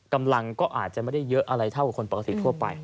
กำลังก็อาจจะไม่ได้เยอะอะไรเท่ากับคนปกติทั่วไป